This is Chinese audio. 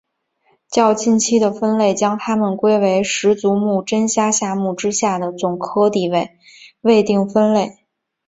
较近期的分类将它们归为十足目真虾下目之下的总科地位未定分类。